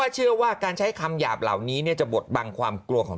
เชื่อว่าการใช้คำหยาบเหล่านี้จะบดบังความกลัวของ